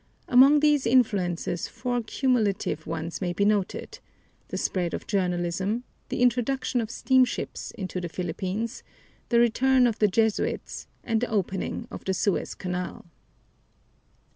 Among these influences four cumulative ones may be noted: the spread of journalism, the introduction of steamships into the Philippines, the return of the Jesuits, and the opening of the Suez Canal.